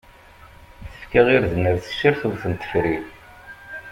Tefka irden ar tessirt ur ten-tefri.